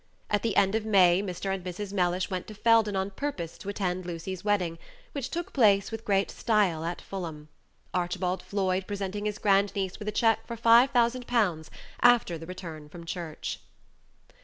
At the end of May Mr. and Mrs. Mellish went to Felden on purpose to attend Lucy's wedding, which took place with great style at Fulham, Archibald Floyd presenting his grand niece with a check for five thousand pounds after the return from church.